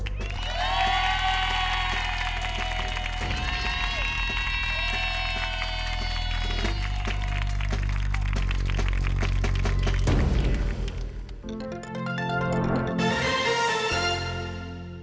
สวัสดีครับ